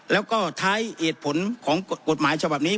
แล้วก็ท้ายเหตุผลของกฎหมายฉบับนี้